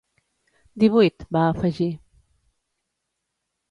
Divuit, va afegir.